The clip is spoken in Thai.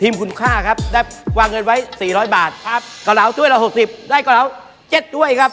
ต้นไหนครับต้นไหนครับโอเคครับ